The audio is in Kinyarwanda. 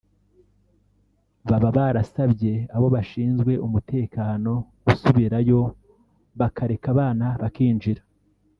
baba barasabye abo bashizwe umutekano gusubirayo bakareka abana bakinjira